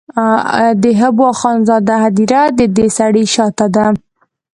د حبو اخند زاده هدیره د دې سړک شاته ده.